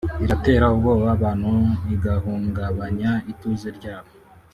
iratera ubwoba abantu igahungabanya ituze ryabo